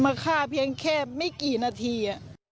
มาฆ่าเพียงแค่ไม่กี่นาที